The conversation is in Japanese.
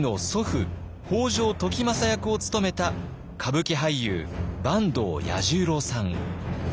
北条時政役を務めた歌舞伎俳優坂東彌十郎さん。